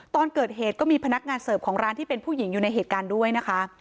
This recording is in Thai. ตอนเกิดเหตุก็มีพนักงานเสิร์ฟของร้านที่เป็นผู้หญิงอยู่ในเหตุการณ์ด้วยนะคะ